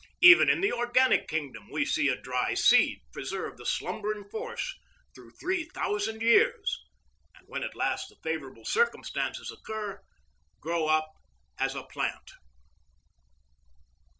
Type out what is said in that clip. Even in the organic kingdom we see a dry seed preserve the slumbering force through three thousand years, and when at last the favourable circumstances occur, grow up as a plant.